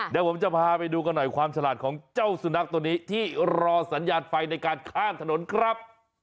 เดี๋ยวผมจะพาไปดูกันหน่อยความฉลาดของเจ้าสุนัขตัวนี้ที่รอสัญญาณไฟในการข้ามถนนครับ